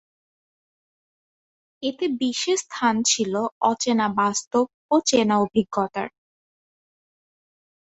এতে বিশেষ স্থান ছিল অচেনা বাস্তব ও চেনা অভিজ্ঞতার।